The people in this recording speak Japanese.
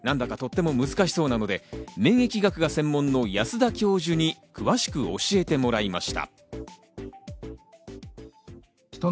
何だかとっても難しそうなので免疫学が専門の保田教授に詳しく教えてもらいました。